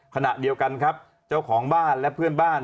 ขณะเดียวกันครับเจ้าของบ้านและเพื่อนบ้าน